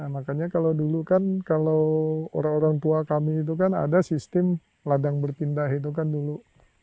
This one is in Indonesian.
makanya kalau dulu kan kalau orang orang tua kami itu kan ada sistem ladang berpindah itu kan dulu